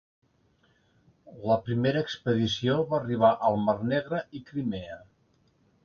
La primera expedició va arribar al Mar Negre i Crimea.